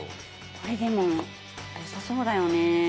これでもよさそうだよねなんか。